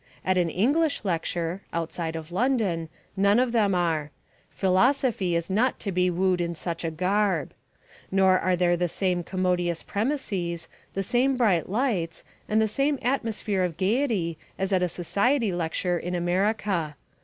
At an English lecture (outside of London) none of them are; philosophy is not to be wooed in such a garb. Nor are there the same commodious premises, the same bright lights, and the same atmosphere of gaiety as at a society lecture in America.